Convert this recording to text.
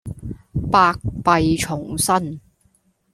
百弊叢生